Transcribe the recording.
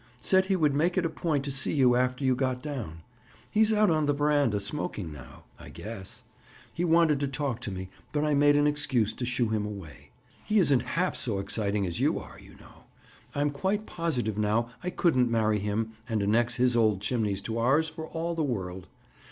Said he would make it a point to see you after you got down. He's out on the veranda smoking now, I guess. He wanted to talk to me but I made an excuse to shoo him away. He isn't half so exciting as you are, you know. I'm quite positive now I couldn't marry him and annex his old chimneys to ours, for all the world.